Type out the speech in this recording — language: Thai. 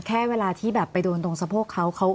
แค่เวลาที่แบบไปโดนตรงสะโพกเขา